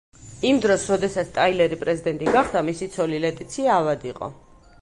იმ დროს, როდესაც ტაილერი პრეზიდენტი გახდა, მისი ცოლი, ლეტიცია ავად იყო.